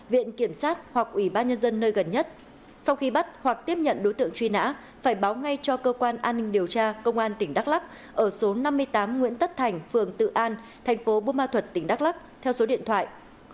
viện kiểm sát hoặc ủy ban nhân dân nơi gần nhất sau khi bắt hoặc tiếp nhận đối tượng truy nã phải báo ngay cho cơ quan an ninh điều tra công an tỉnh đắk lắk ở số năm mươi tám nguyễn tất thành phường tự an thành phố bú ma thuật tỉnh đắk lắk theo số điện thoại sáu mươi chín bốn trăm ba mươi tám chín nghìn một trăm ba mươi ba